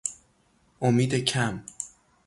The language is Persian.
امید کم